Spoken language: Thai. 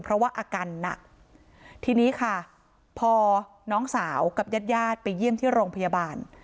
เพราะว่าอาการหนักทีนี้ค่ะพอน้องสาวกับญาติญาติไปเยี่ยมที่โรงพยาบาล